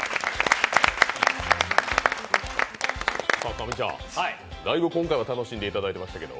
神ちゃん、だいぶ今回は楽しんでいただきましたけど。